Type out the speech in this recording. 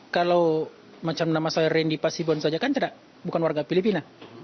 kalau macam nama saya randy pasibon saja kan bukan warga filipina